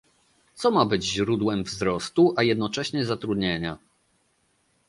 Co ma być źródłem wzrostu, a jednocześnie zatrudnienia?